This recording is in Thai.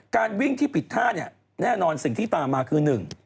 การวิ่งที่ผิดท่าแน่นอนสิ่งที่ตามมาคือหนึ่ง